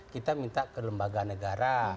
kita minta ke lembaga negara